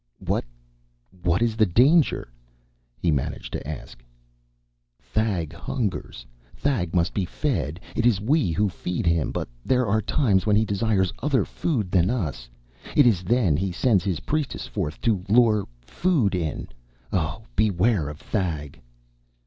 "What what is the danger?" he managed to ask. "Thag hungers. Thag must be fed. It is we who feed him, but there are times when he desires other food than us. It is then he sends his priestess forth to lure food in. Oh, beware of Thag!"